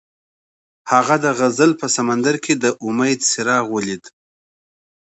هغه د غزل په سمندر کې د امید څراغ ولید.